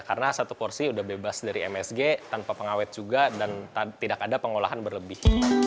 karena satu porsi sudah bebas dari msg tanpa pengawet juga dan tidak ada pengolahan berlebih